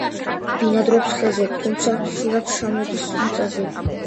ბინადრობს ხეზე, თუმცა ხშირად ჩამოდის მიწაზე.